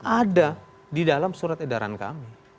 ada di dalam surat edaran kami